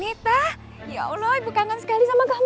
mita ya allah ibu kangen sekali sama kamu nek